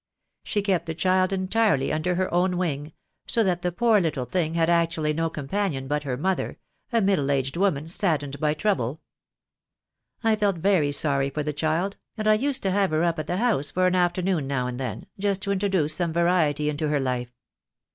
She kept the child entirely under her own wing, so that the poor little thing had actually no companion but her mother, a middle aged woman, saddened by trouble. I felt very sorry for the child, and I used to have her up at the house for an afternoon now and then, just to introduce some variety into her life.